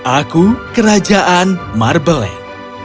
aku kerajaan marbleland